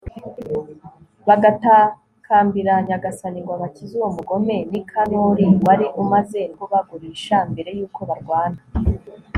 bagatakambira nyagasani ngo abakize uwo mugome nikanori wari umaze no kubagurisha mbere y'uko barwana